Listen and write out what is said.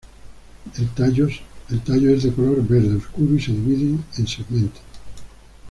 El tallos es de color verde oscuro y se dividen en segmentos.